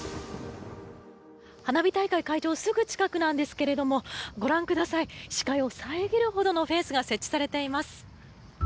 花火大会会場すぐ近くなんですがご覧ください、視界を遮るほどのフェンスが設置されています。